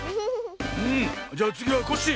うんじゃあつぎはコッシー。